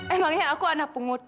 emangnya aku anak pungut